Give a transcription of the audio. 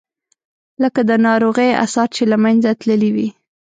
لکه د ناروغۍ آثار چې له منځه تللي وي.